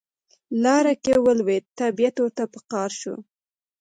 لار کې ولوید طبیعت ورته په قار شو.